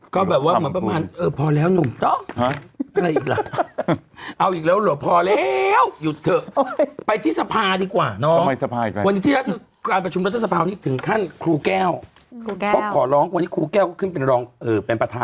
ก็แบบว่าเหมือนประมาณเออพอแล้วหนุ่มต้องอะไรอีกล่ะ